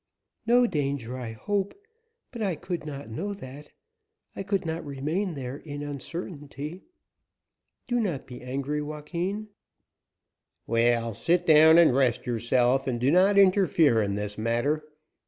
"No danger, I hope, but I could not know that. I could not remain there in uncertainty. Do not be angry, Joaquin." "Well, sit down and rest yourself, and do not interfere in this matter.